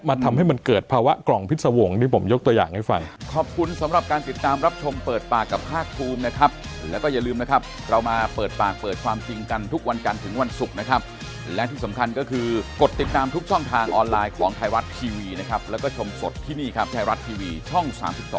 ทำให้มันเกิดภาวะกล่องพิษวงศ์ที่ผมยกตัวอย่างให้ฟัง